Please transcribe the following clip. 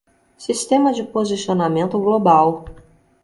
Sistema de posicionamento global